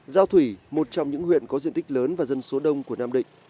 giao thủy một trong những huyện có diện tích lớn và dân số đông của nam định